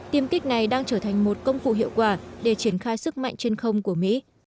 tiêm kích này đang trở thành một công cụ hiệu quả để triển khai sức mạnh trên không của mỹ